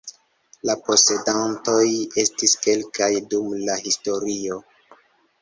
La posedantoj estis kelkaj dum la historio.